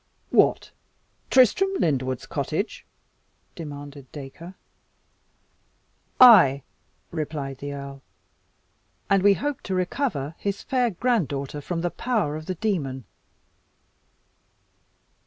"What! Tristram Lyndwood's cottage?" demanded Dacre. "Ay," replied the earl, "and we hope to recover his fair granddaughter from the power of the demon."